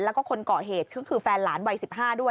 แล้วก็คนก่อเหตุคือแฟนหลานวัยสิบห้าด้วย